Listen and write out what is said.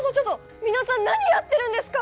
皆さん何やってるんですか！？